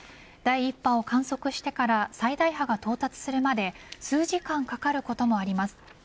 第１波を観測してから最大波が到達するまで数時間かかることもあります。